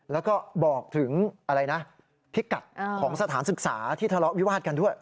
แล้วก็บอกถึงอะไรนะพิกัดของสถานศึกษาที่ทะเลาะวิวาดกันด้วย